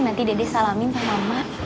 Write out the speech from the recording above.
nanti dede salamin sama emak